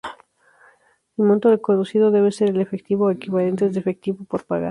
El monto reconocido debe ser el efectivo o equivalentes de efectivo por pagar.